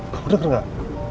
kamu denger gak